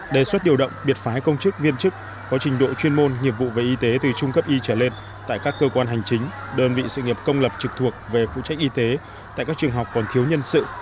đề xuất điều động biệt phái công chức viên chức có trình độ chuyên môn nghiệp vụ về y tế từ trung cấp y trở lên tại các cơ quan hành chính đơn vị sự nghiệp công lập trực thuộc về phụ trách y tế tại các trường học còn thiếu nhân sự